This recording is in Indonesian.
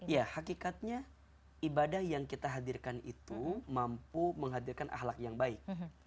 ya hakikatnya ibadah yang kita hadirkan itu mampu menghadirkan ahlak yang baik